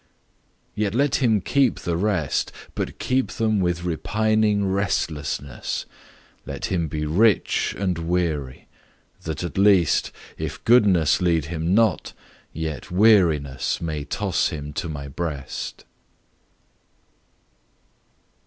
Yet let him keep the rest, But keep them with repining restlessness; Let him be rich and weary, that at least, If goodness lead him not, yet wearinessMay toss him to My breast.